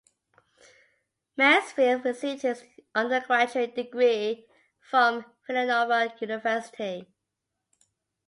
Mansfield received his undergraduate degree from Villanova University.